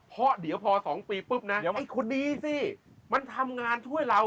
เพราะเดี๋ยวพอ๒ปีปุ๊บนะไอ้คนดีสิมันทำงานช่วยเรา